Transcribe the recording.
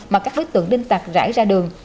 mà các bức tượng đinh tạc rải ra đường